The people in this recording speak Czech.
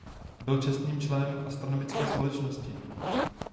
Byl čestným členem České astronomické společnosti.